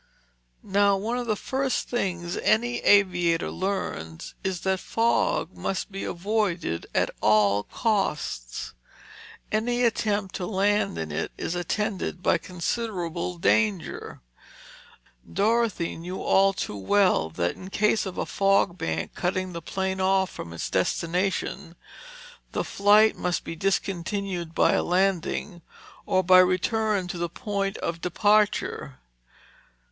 Now one of the first things any aviator learns is that fog must be avoided at all costs. Any attempt to land in it is attended by considerable danger. Dorothy knew only too well that in case of a fog bank cutting the plane off from its destination, the flight must be discontinued by a landing, or by return to the point of departure.